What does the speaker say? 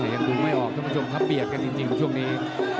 ยังถูกไม่ออกทุกประชุมถ้าเปียกกันจริงช่วงนี้